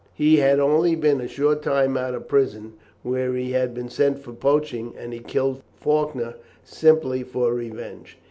He had only been a short time out of prison, where he had been sent for poaching, and he killed Faulkner simply for revenge.